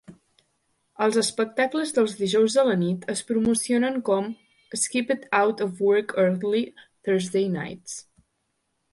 Els espectacles dels dijous a la nit es promocionen com "Skippeth-Out-Of-Work-Early Thursday Nights".